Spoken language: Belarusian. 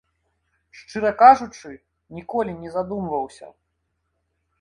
Шчыра кажучы, ніколі не задумваўся.